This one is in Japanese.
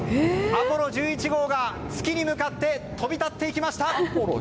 「アポロ１１号」が月に向かって飛び立っていきました！